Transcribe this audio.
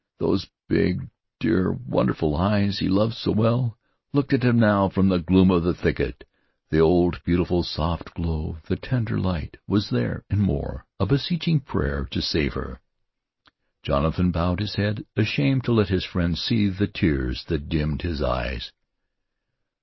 Those big, dear, wonderful eyes he loved so well, looked at him now from the gloom of the thicket. The old, beautiful, soft glow, the tender light, was there, and more, a beseeching prayer to save her. Jonathan bowed his head, ashamed to let his friend see the tears that dimmed his eyes.